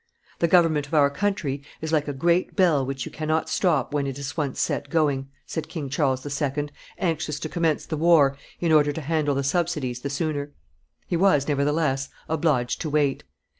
"The government of our country is like a great bell which you cannot stop when it is once set going," said King Charles II., anxious to commence the war in order to handle the subsidies the sooner; he was, nevertheless, obliged to wait.